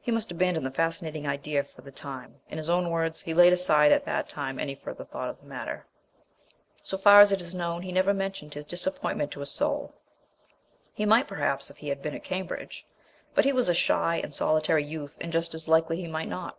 He must abandon the fascinating idea for the time. In his own words, "he laid aside at that time any further thought of the matter." So far as is known, he never mentioned his disappointment to a soul. He might, perhaps, if he had been at Cambridge, but he was a shy and solitary youth, and just as likely he might not.